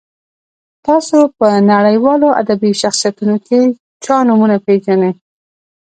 تاسو په نړیوالو ادبي شخصیتونو کې چا نومونه پیژنئ.